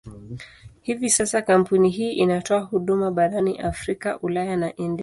Hivi sasa kampuni hii inatoa huduma barani Afrika, Ulaya na India.